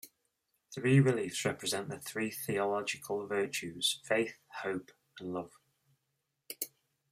Three reliefs represent the Three theological virtues Faith, Hope, and Love.